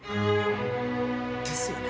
ですよね。